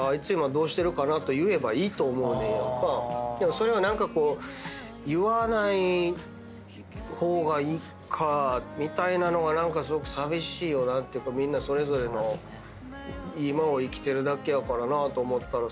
それを何か言わない方がいいかみたいなのはすごく寂しいよなっていうかみんなそれぞれの今を生きてるだけやからなと思ったらさ。